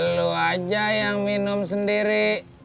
lu aja yang minum sendiri